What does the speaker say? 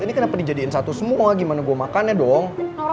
ini kenapa dijadiin satu semua gimana gue makannya dong